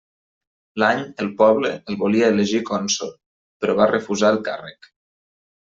L'any el poble el volia elegir cònsol, però va refusar el càrrec.